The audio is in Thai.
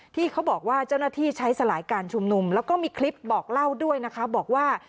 ที่เขาบอกว่าเจ้าหน้าที่ใช้สลายการชุมนุมแล้วก็มีคลิปบอกเล่าด้วยนะคะบอกว่า